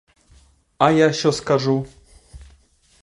А я що скажу?